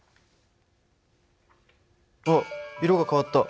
あっ色が変わった。